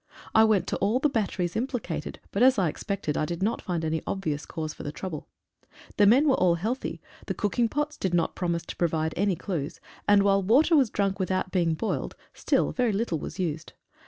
I went to all the batteries impli cated, but as I expected, I did not find any obvious cause for the trouble. The men were all healthy — the cooking pots did not promise to provide any clues, and while water was drunk without being boiled, still very little was used.